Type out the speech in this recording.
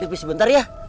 depisi bentar ya